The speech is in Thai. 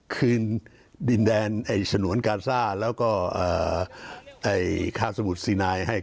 คืนดินแดนฉนวนกาซ่าแล้วก็คาสมุทรซีนายให้